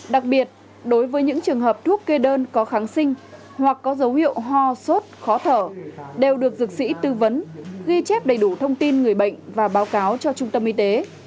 đặc biệt đối với những trường hợp thuốc kê đơn có kháng sinh hoặc có dấu hiệu ho sốt khó thở đều được dược sĩ tư vấn ghi chép đầy đủ thông tin người bệnh và báo cáo cho trung tâm y tế